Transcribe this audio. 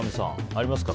ありますか？